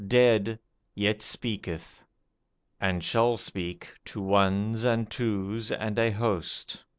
dead, yet speaketh; and shall speak, to ones and twos and a host.